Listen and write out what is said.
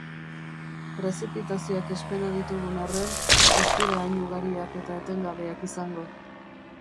Prezipitazioak espero ditugun arren, ez dira hain ugariak eta etengabeak izango.